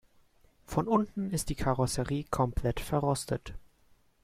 Von unten ist die Karosserie komplett verrostet.